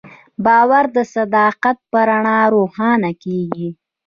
باور د صداقت په رڼا روښانه کېږي.